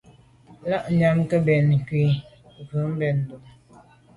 Lagnyam ke mbèn ngù wut ben ndume.